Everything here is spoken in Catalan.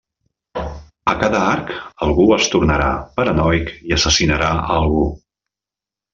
A cada arc algú es tornarà paranoic i assassinarà a algú.